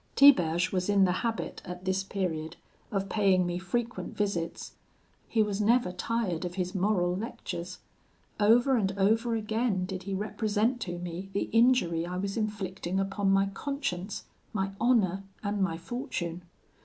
"Tiberge was in the habit, at this period, of paying me frequent visits. He was never tired of his moral lectures. Over and over again did he represent to me the injury I was inflicting upon my conscience, my honour, and my fortune.